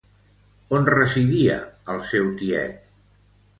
On residia el seu tiet?